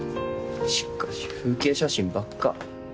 しかし風景写真ばっか。